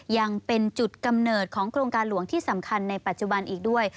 ยังเป็นจุดกำเนิดของโครงการหลวงที่สำคัญในปัจจุบันอีกด้วย